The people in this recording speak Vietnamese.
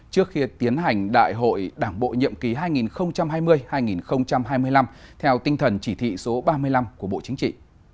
trước khi tiến hành đại hội đảng bộ nhiệm ký hai nghìn hai mươi hai nghìn hai mươi năm theo tinh thần chỉ thị số ba mươi năm của bộ chính trị